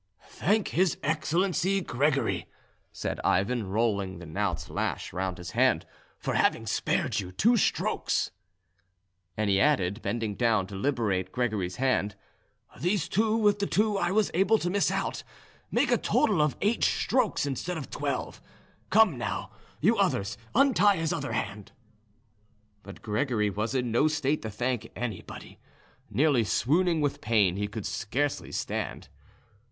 "Thank his excellency, Gregory," said Ivan, rolling the knout's lash round his hand, "for having spared you two strokes;" and he added, bending down to liberate Gregory's hand, "these two with the two I was able to miss out make a total of eight strokes instead of twelve. Come, now, you others, untie his other hand." But poor Gregory was in no state to thank anybody; nearly swooning with pain, he could scarcely stand.